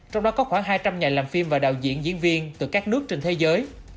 trong đó có khoảng hai trăm linh nhà làm phim và đạo diễn diễn viên từ các nước trên thế giới